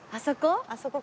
あそこ？